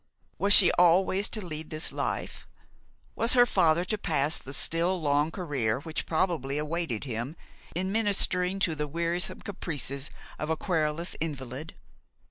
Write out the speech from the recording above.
Was she always to lead this life? Was her father to pass the still long career which probably awaited him in ministering to the wearisome caprices of a querulous invalid?